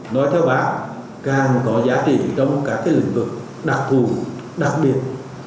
nói theo bác càng có giá trị trong các lĩnh vực đặc thù đặc biệt